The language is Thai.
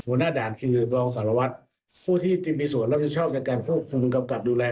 หัวหน้าด่านคือรองสารวัตรผู้ที่มีส่วนรับผิดชอบในการควบคุมกำกับดูแล